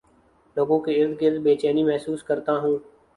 لوگوں کے ارد گرد بے چینی محسوس کرتا ہوں